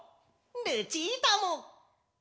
ルチータも！